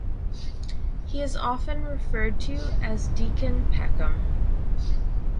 He is often referred to as Deacon Peckham.